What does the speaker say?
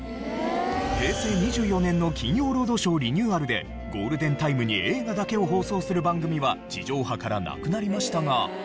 平成２４年の『金曜ロードショー』リニューアルでゴールデンタイムに映画だけを放送する番組は地上波からなくなりましたが。